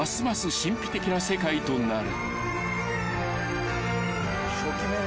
神秘的な世界となる］